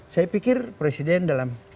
saya pikir presiden dalam